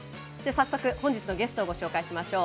早速、本日のゲストをご紹介しましょう。